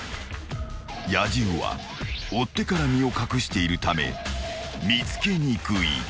［野獣は追っ手から身を隠しているため見つけにくい］